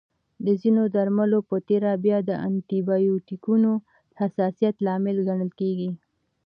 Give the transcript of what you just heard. د ځینو درملنو په تېره بیا د انټي بایوټیکونو حساسیت لامل ګڼل کېږي.